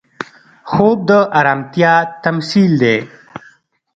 خوب د ارامتیا تمثیل دی